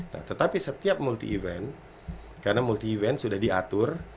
nah tetapi setiap multi event karena multi event sudah diatur